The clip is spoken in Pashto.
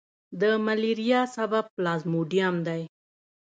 د ملیریا سبب پلازموډیم دی.